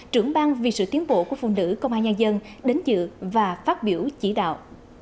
trưởng bang vì sự tiến bộ của phụ nữ công an nhân dân đến dự và phát biểu chỉ đạo